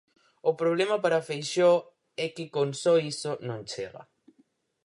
O problema para Feixóo é que con só iso non chega.